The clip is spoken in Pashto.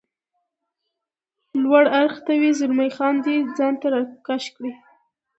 لوړ اړخ ته وي، زلمی خان دی ځان ته را کش کړ.